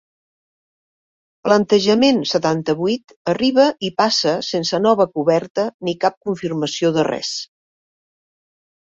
Plantejament setanta-vuit arriba i passa sense nova coberta ni cap confirmació de res.